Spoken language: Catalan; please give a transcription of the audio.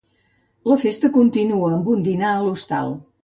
La festa continua amb un dinar a l'hostal.